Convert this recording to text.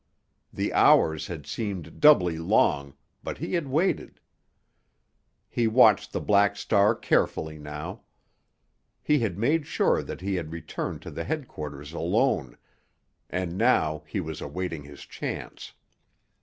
The hours had seemed doubly long—but he had waited. He watched the Black Star carefully now. He had made sure that he had returned to the headquarters alone, and now he was awaiting his chance.